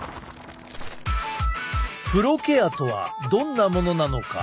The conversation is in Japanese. プロケアとはどんなものなのか？